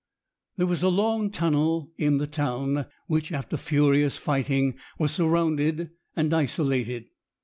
There was a long tunnel in the town, which, after furious fighting, was surrounded and isolated.